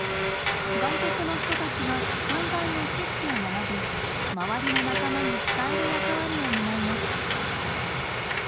外国の人たちが災害の知識を学び周りの仲間に伝える役割を担います。